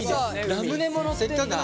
ラムネものってんだ。